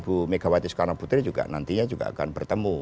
ibu megawati soekarno putri juga nantinya akan bertemu